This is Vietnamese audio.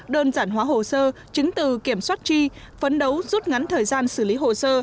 đơn giản hóa hồ sơ chứng từ kiểm soát chi phấn đấu rút ngắn thời gian xử lý hồ sơ